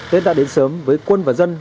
tết đã đến sớm với quân và dân